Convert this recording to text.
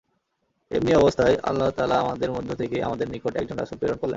এমনি অবস্থায় আল্লাহ তাআলা আমাদের মধ্য থেকে আমাদের নিকট একজন রাসূল প্রেরণ করলেন।